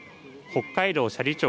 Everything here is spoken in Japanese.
北海道斜里町